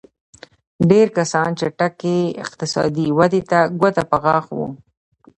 ډېری کسان چټکې اقتصادي ودې ته ګوته په غاښ وو.